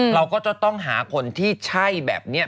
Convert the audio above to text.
เราก็จะต้องหาคนที่ใช่แบบนี้